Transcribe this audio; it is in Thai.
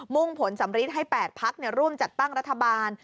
่งผลสำริดให้๘พักร่วมจัดตั้งรัฐบาล